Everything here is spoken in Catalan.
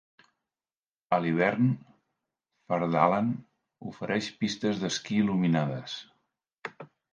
A l'hivern, Fardalen ofereix pistes d'esquí il·luminades.